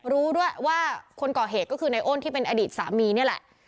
รู้ด้วยว่าคนก่อเหตุก็คือในอ้นที่เป็นอดีตสามีนี่แหละ